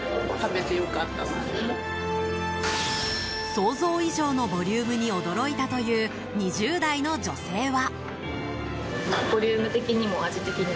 想像以上のボリュームに驚いたという２０代の女性は。